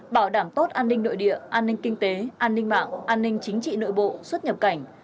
bảo đảm tốt an ninh nội địa an ninh kinh tế an ninh mạng an ninh chính trị nội bộ xuất nhập cảnh